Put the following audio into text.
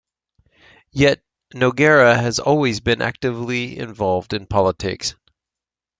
Yet, Nogueira has always been actively involved in politics.